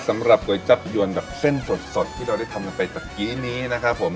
ก๋วยจับยวนแบบเส้นสดที่เราได้ทำกันไปตะกี้นี้นะครับผม